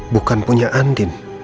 bukan punya andin